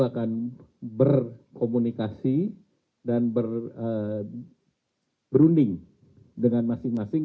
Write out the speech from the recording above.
akan berkomunikasi dan berunding dengan masing masing